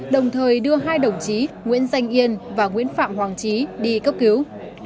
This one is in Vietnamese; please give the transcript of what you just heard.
đồng thời đưa hai đồng chí nguyễn danh yên và nguyễn phạm hoàng trí đi cấp cứu